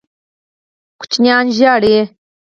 ماشومان ژاړي